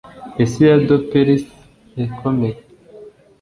isi ya dopers ikomeye